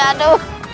ampun pak bisik